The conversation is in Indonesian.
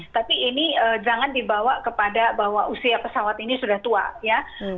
tapi ini jangan dibawa kepada bahwa usia pesawat ini sudah tua ya